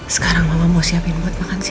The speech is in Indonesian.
sekarang mama mau siapin buat makan sih